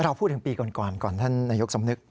เราพูดถึงปีก่อนก่อนท่านนายกสำนึก